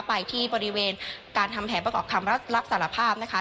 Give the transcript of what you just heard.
ไปที่บริเวณการทำแผนประกอบคำรับสารภาพนะคะ